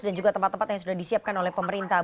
dan juga tempat tempat yang sudah disiapkan oleh pemerintah